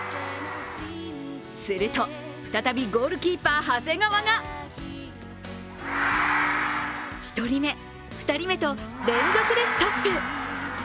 すると、再びゴールキーパー・長谷川が１人目、２人目と連続でストップ。